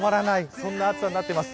そんな暑さになっています。